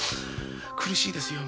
苦しいですよ